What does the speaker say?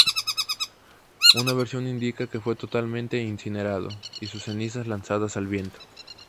Una versión indica que fue totalmente incinerado y sus cenizas lanzadas al viento.